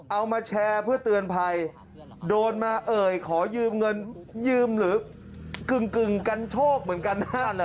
เอามาแชร์เพื่อเตือนภัยโดนมาเอ่ยขอยืมเงินยืมหรือกึ่งกันโชคเหมือนกันนะ